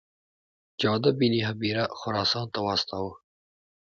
جعده بن هبیره خراسان ته واستاوه.